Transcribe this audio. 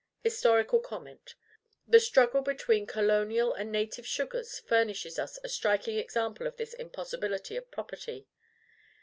HISTORICAL COMMENT. The struggle between colonial and native sugars furnishes us a striking example of this impossibility of property.